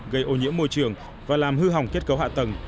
gây ô nhiễm môi trường và làm hư hỏng kết cấu hạ tầng